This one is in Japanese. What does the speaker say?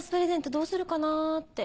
どうするかなぁって。